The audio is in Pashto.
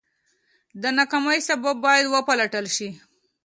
د ناکامۍ سبب باید وپلټل شي.